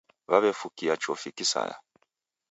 W'aw'efukia chofi kisaya